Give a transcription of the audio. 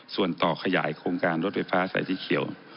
ส่วนต่อขยายโครงการรถไฟฟ้าสายสีเขียว